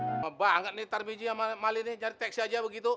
cuma banget nih tarbiji sama mali nih jadi teks aja begitu